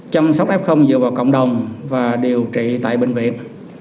chăm sóc f dựa vào cộng đồng và điều trị tại bệnh viện